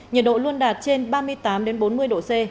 nhiệt độ luôn đạt trên ba mươi tám bốn mươi độ c